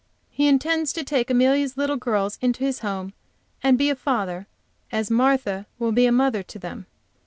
He intends to take Amelia's little girls into his own home, and be a father, as Martha will be a mother, to them.